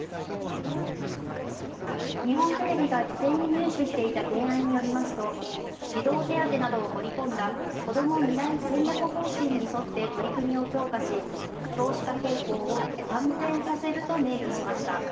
日本テレビが事前に入手していた原案によりますと、児童手当などを盛り込んだこども未来戦略方針に沿って取り組みを強化し、少子化傾向を反転させると明記しました。